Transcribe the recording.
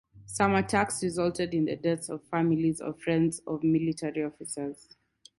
Some attacks resulted in the deaths of the families or friends of military officers.